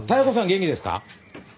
元気ですか？